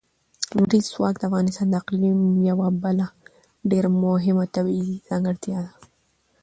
لمریز ځواک د افغانستان د اقلیم یوه بله ډېره مهمه طبیعي ځانګړتیا ده.